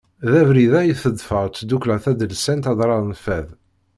D abrid-a i teḍfer Tdukkla Tadelsant Adrar n Fad.